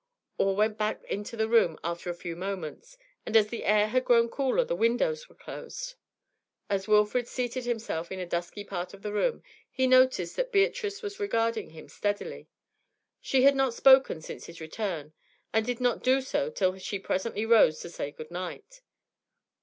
All went back into the room after a few moments, and, as the air had grown cooler, the windows were closed. As Wilfrid seated himself in a dusky part of the room, he noticed that Beatrice was regarding him steadily. She had not spoken since his return, and did not do so till she presently rose to say good night.